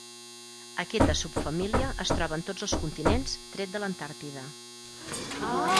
Aquesta subfamília es troba en tots els continents tret de l'Antàrtida.